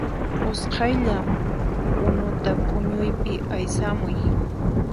Usqhaylla unuta p'uñuypi aysamuy